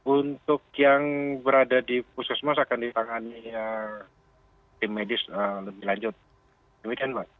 untuk yang berada di puskesmas akan ditangani tim medis lebih lanjut demikian mbak